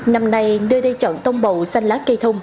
năm nay nơi đây chọn tông bầu xanh lá cây thông